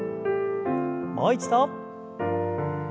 もう一度。